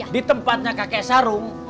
di tempatnya kakek sarung